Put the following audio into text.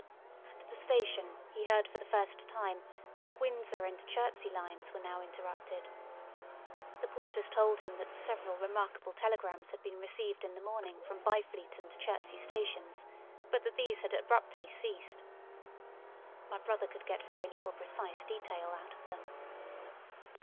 At the station he heard for the first time that the Windsor and Chertsey lines were now interrupted. The porters told him that several remarkable telegrams had been received in the morning from Byfleet and Chertsey stations, but that these had abruptly ceased. My brother could get very little precise detail out of them.